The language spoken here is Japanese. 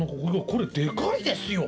これでかいですよ。